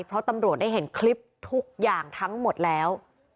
เพราะตำรวจได้เห็นคลิปทุกอย่างทั้งหมดแล้ว